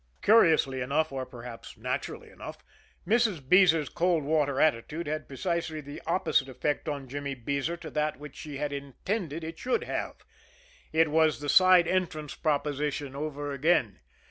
Curiously enough, or perhaps naturally enough, Mrs. Beezer's cold water attitude had precisely the opposite effect on Jimmy Beezer to that which she had intended it should have. It was the side entrance proposition over again.